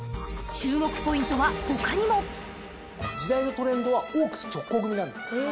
［注目ポイントは他にも］時代のトレンドはオークス直行組なんです。